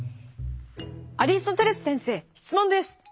「アリストテレス先生質問です。